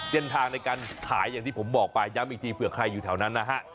เส้นทางในการขายอย่างที่ผมบอกไปย้ำอีกทีเผื่อใครอยู่แถวนั้นนะฮะ